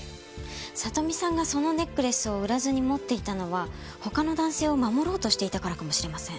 里美さんがそのネックレスを売らずに持っていたのは他の男性を守ろうとしていたからかもしれません。